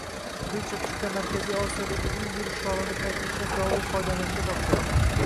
Quyi Chirchiqda Markaziy Osiyodagi eng yirik sholini qayta ishlash zavodi oydalanishga topshirildi